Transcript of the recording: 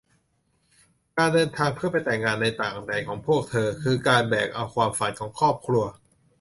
การเดินทางเพื่อไปแต่งงานในต่างแดนของพวกเธอ คือการแบกเอาความฝันของครอบครัว